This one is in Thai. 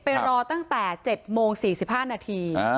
รอตั้งแต่๗โมง๔๕นาที